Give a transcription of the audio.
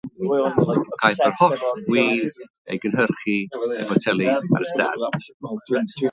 Caiff yr holl win ei gynhyrchu a'i botelu ar y stad.